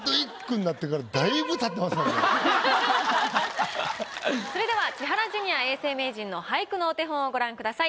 だってもうそれでは千原ジュニア永世名人の俳句のお手本をご覧ください。